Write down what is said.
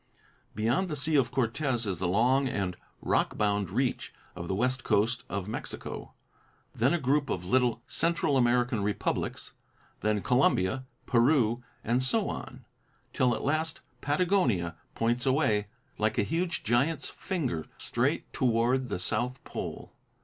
Beyond the Sea of Cortez is the long and rock bound reach of the west coast of Mexico. Then a group of little Central American republics; then Colombia, Peru and so on, till at last Patagonia points away like a huge giant's finger straight toward the South Pole.